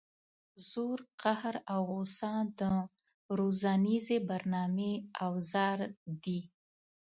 زور قهر او غصه د روزنیزې برنامې اوزار دي.